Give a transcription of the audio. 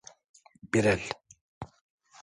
Bir el.